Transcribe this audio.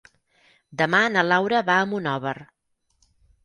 Demà na Laura va a Monòver.